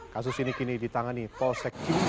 kasus ini kini ditangani polsek cincin